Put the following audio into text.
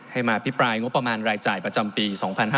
ให้มาพิปรายงบประมาณรายจ่ายประจำปี๒๕๕๙